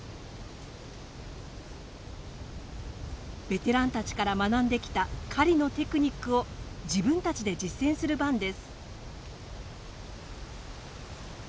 ベテランたちから学んできた狩りのテクニックを自分たちで実践する番です。